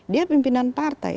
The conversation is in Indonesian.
dia pimpinan partai